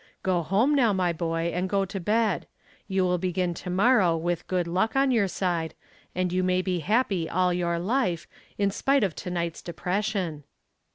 Go home now, my boy, and go to bed. You will begin to morrow with good luck on your side and you may be happy all your life in spite of to night's depression."